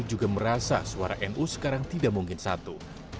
juga merasa suara nu sekarang tidak mungkin satu